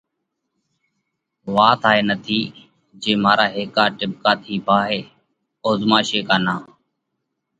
وات هائي نٿِي جي مارا هيڪا ٽٻڪا ٿِي ڀاهي اوزهماشي ڪا نان۔